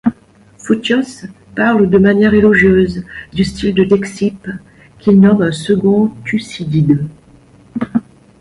Photios parle de manière élogieuse du style de Dexippe, qu'il nomme un second Thucydide.